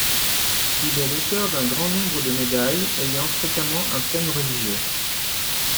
Il est l'auteur d'un grand nombre de médailles ayant fréquemment un thème religieux.